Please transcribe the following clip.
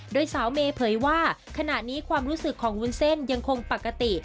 โดยสาวเมย์เผยว่าขณะนี้ความรู้สึกของวุ้นเส้นยังคงปกติ